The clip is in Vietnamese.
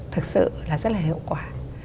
thực sự là rất là hiệu quả